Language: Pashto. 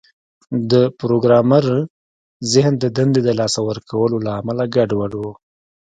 د پروګرامر ذهن د دندې د لاسه ورکولو له امله ګډوډ و